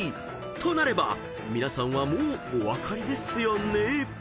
［となれば皆さんはもうお分かりですよね？］